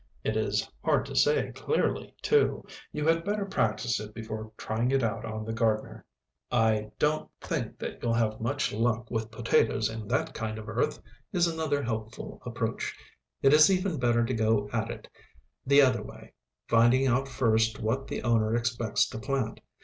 (It is hard to say, clearly, too. You had better practise it before trying it out on the gardener). "I don't think that you'll have much luck with potatoes in that kind of earth," is another helpful approach. It is even better to go at it the other way, finding out first what the owner expects to plant.